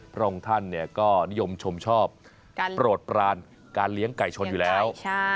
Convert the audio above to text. พระองค์ท่านก็นิยมชมชอบโปรดปรานการเลี้ยงไก่ชนอยู่แล้ว